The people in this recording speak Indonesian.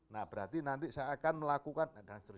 nah berarti nanti saya akan melakukan